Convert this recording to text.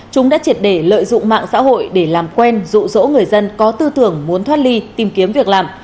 chúng đã triệt để lợi dụng mạng xã hội để làm quen rụ rỗ người dân có tư tưởng muốn thoát ly tìm kiếm việc làm